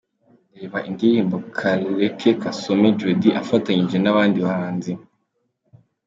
Reba indirimbo Kaleke Kasome Jody afatanyije n’abandi bahanzi.